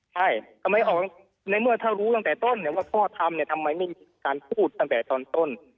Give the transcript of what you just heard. ใช่ทำไมออกในเมื่อถ้ารู้ตั้งแต่ต้นว่าพ่อทำเนี่ยทำไมไม่มีการพูดตั้งแต่ตอนต้น